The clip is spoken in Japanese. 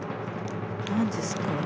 何ですか？